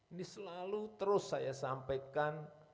ini selalu terus saya sampaikan